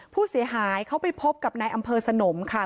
ผู้เสียหายเขาไปพบกับนายอำเภอสนมค่ะ